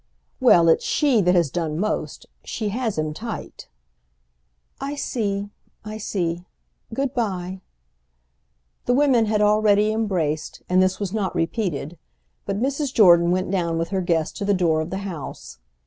"Well, it's she that has done most. She has him tight." "I see, I see. Good bye." The women had already embraced, and this was not repeated; but Mrs. Jordan went down with her guest to the door of the house.